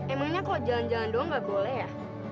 emangnya kalau jalan jalan doang nggak boleh ya